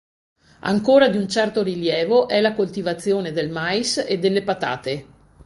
Ancora di un certo rilievo è la coltivazione del mais e delle patate.